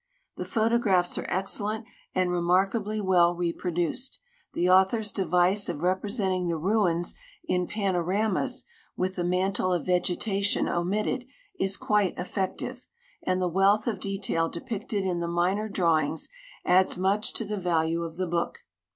The ]>hotographs are excellent and remarkably well reprodiu ed ; the author's device of representing the ruins in i)anoramas, with the mantle of vegetation omitted, is quite effective, and the wealth of detail depicted in the minor drawings adds much to the value of the book.